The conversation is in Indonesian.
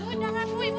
udah ibu ibu